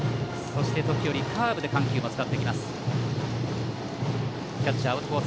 そして、時折カーブで緩急も使ってきます。